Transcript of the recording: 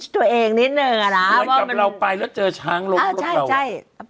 ตัวเองนิดหนึ่งอ่ะน่ะว่าวันที่เราไปแล้วเจอช้างลมรถเราอ่าใช่ใช่